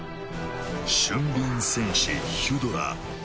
俊敏戦士ヒュドラ。